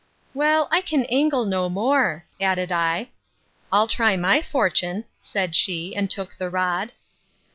—Well, I can angle no more, added I. I'll try my fortune, said she, and took the rod.